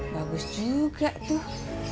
bagus juga tuh